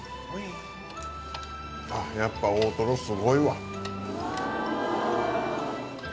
あっやっぱ大トロすごいわ。